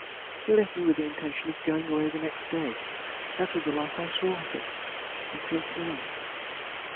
He left me with the intention of going away the next day. That was the last I saw of him until to day."